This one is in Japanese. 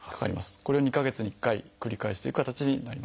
これを２か月に１回繰り返しという形になりますね。